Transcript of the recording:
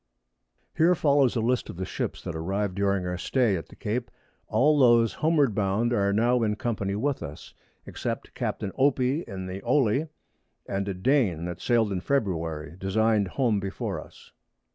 Here follows a List of the Ships that arrived during our Stay at the Cape; all those homeward bound are now in company with us, except Capt. Opie in the Olie, and a Dane that sailed in February, designed home before us.